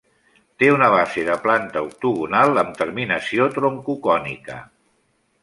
Té una base de planta octogonal amb terminació troncocònica.